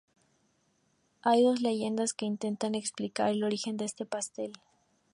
Hay dos leyendas que intentan explicar el origen de este pastel.